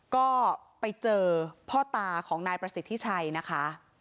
ก็ไปเจอพ่อตาของนายประสิทธิชัยนะคะ